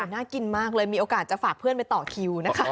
น่ากินมากเลยมีโอกาสจะฝากเพื่อนไปต่อคิวนะคะ